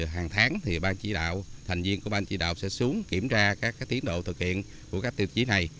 hàng tháng thành viên của ban chỉ đạo sẽ xuống kiểm tra các tiến độ thực hiện của các tiêu chí này